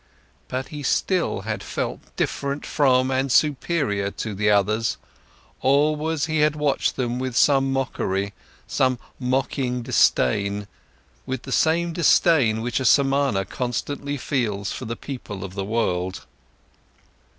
But still he had felt different from and superior to the others; always he had watched them with some mockery, some mocking disdain, with the same disdain which a Samana constantly feels for the people of the world.